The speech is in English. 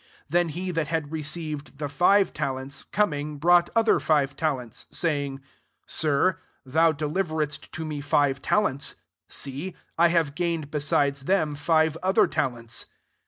20 " Then he that had receiv ed the five talents, coming, brought other five talents, say ing, 'Sir, thou deliveredst to me five talents : see, I have gained [besides them] five other talents.'